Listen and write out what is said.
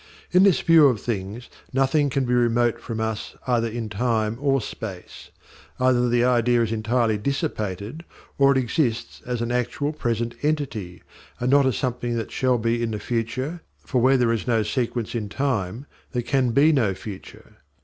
In this view of things nothing can be remote from us either in time or space: either the idea is entirely dissipated or it exists as an actual present entity, and not as something that shall be in the future, for where there is no sequence in time there can be no future.